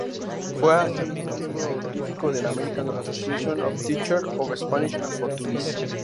Fue asimismo miembro honorífico de la American Association of Teachers of Spanish and Portuguese.